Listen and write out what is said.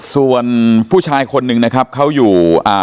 ส่วนผู้ชายคนหนึ่งนะครับเขาอยู่อ่า